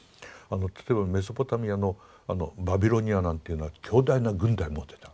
例えばメソポタミアのバビロニアなんていうのは強大な軍隊を持ってた。